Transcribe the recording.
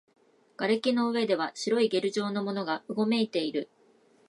瓦礫の上では白いゲル状のものがうごめいている